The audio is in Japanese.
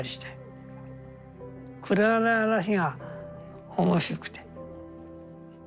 くだらない話が面白くて。